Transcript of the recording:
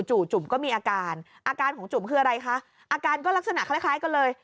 จุ่มก็มีอาการอาการของจุ่มคืออะไรคะอาการก็ลักษณะคล้ายกันเลย